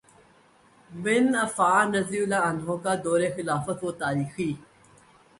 بن Affan رضی اللہ عنہ کا دور خلافت وہ تاریخی